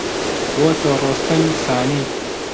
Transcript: بۆتە ڕۆستەمی سانی